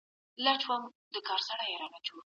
ایا کوچني پلورونکي وچ توت پروسس کوي؟